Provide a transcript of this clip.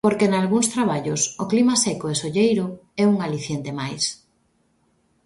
Porque nalgúns traballos o clima seco e solleiro é un aliciente máis.